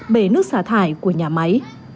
bể nước xả thải của nhà máy